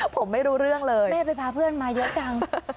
ผมไม่รู้เรื่องเลยแม่ไปพาเพื่อนมาเยอะจัง